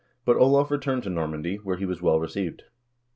But Olav returned to Normandy, where he was well received.